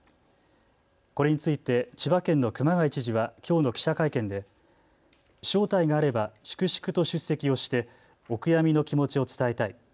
これについて千葉県の熊谷知事はきょうの記者会見で招待があれば粛々と出席をしてお悔やみの気持ちを伝えたい。